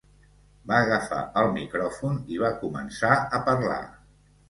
Va agafar el micròfon i va començar a parlar.